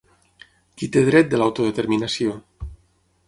Qui té dret de l’autodeterminació?